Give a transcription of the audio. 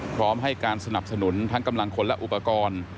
พร้อมให้การสนับสนุนทั้งกำลังคนและอุปกรณ์